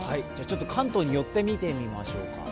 関東に寄って見てみましょうか。